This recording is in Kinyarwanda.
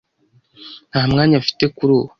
Nta mwanya mfite kuri ubu.